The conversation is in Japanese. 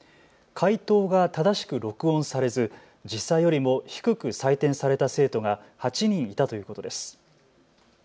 解答が正しく録音されず実際よりも低く採点された生徒が８人いたということです。